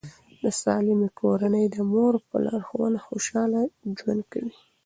د سالمې کورنۍ د مور په لارښوونه خوشاله ژوند کوي.